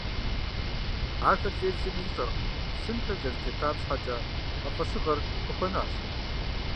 Ахэр зейр зыми ищӏэркъым, сынхэр зэрытетам щхьэкӏэ а фӏэщыгъэр къыхуэнащ.